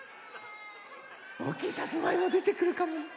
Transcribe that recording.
おおきいさつまいもでてくるかもね。